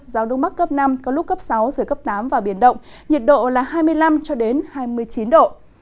gió đông bắc cấp năm có lúc cấp sáu giới cấp tám và biển động nhiệt độ là hai mươi năm cho đến hai mươi chín độ